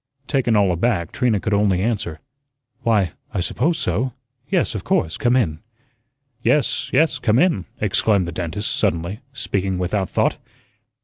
Taken all aback, Trina could only answer: "Why I suppose so. Yes, of course come in." "Yes, yes, come in," exclaimed the dentist, suddenly, speaking without thought.